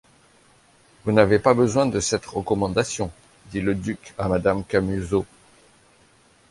Vous n’avez pas besoin de cette recommandation, dit le duc à madame Camusot.